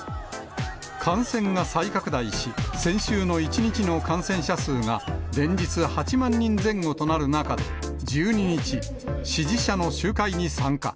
感染が再拡大し、先週の１日の感染者数が連日８万人前後となる中で、１２日、支持者の集会に参加。